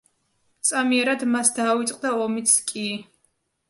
წამიერად მას დაავიწყდა ომიც კი.